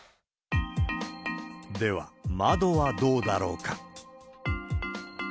では、窓はどうだろうか。